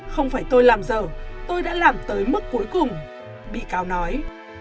không phải tôi làm giờ tôi đã làm tới mức cuối cùng bị cáo nói